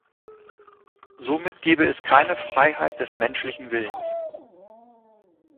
Somit gebe es keine Freiheit des menschlichen Willens.